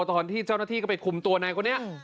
ตอนที่เจ้าหน้าที่ก็ไปคุมตัวนายคนนี้